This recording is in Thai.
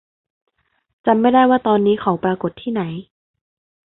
จำไม่ได้ว่าตอนนี้เขาปรากฏที่ไหน